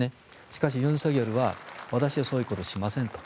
しかし、尹錫悦は私はそういうことしませんと。